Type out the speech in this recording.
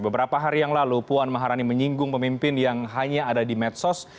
beberapa hari yang lalu puan maharani menyinggung pemimpin yang hanya ada di medsos